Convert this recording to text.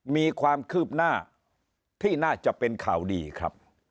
มีความคืบหน้าที่น่าจะเป็นข่าวดีครับ